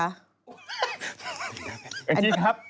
แอนจี้ครับ